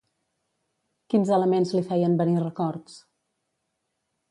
Quins elements li feien venir records?